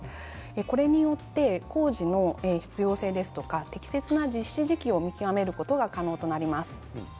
これによって工事の必要性ですとか適切な実施時期を見極めることが可能となります。